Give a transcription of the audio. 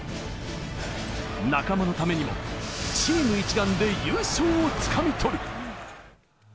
仲間のためにもチーム一丸で優勝をつかみ取る。